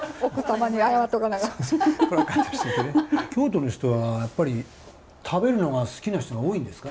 京都の人はやっぱり食べるのが好きな人が多いんですか？